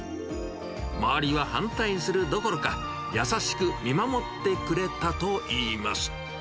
周りは反対するどころか、優しく見守ってくれたといいます。